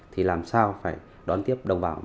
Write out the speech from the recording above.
thì làm sao phải đón tiếp đồng bào